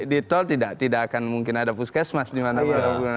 di tol tidak tidak akan mungkin ada puskesmas dimana mana